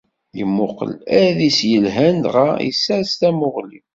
Imuqel adis yellan dɣa issers tamuɣli.